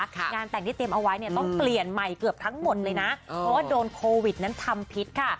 งานแต่งที่เตรียมเอาไว้เนี่ยต้องเปลี่ยนใหม่เกือบทั้งหมดเลยนะเพราะว่าโดนโควิดนั้นทำพิษค่ะ